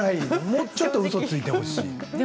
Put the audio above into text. もうちょっとうそをついてほしい。